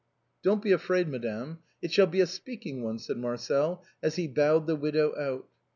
*' Don't be afraid, madame, it shall be a speaking one," said Marcel, as he bowed the widow out.